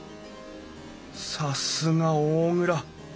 さすが大蔵。